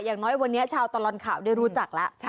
อย่างน้อยวันนี้ชาวตลอดข่าวได้รู้จักแล้ว